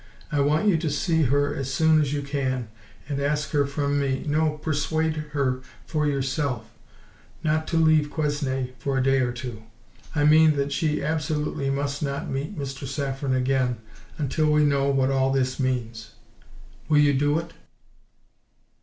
I want you to see her as soon as you can and ask her from me no, persuade her yourself not to leave Quesnay for a day or two. I mean, that she absolutely MUST NOT meet Mr. Saffren again until we know what all this means. Will you do it?"